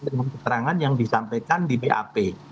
ini adalah penyampaian yang disampaikan di bap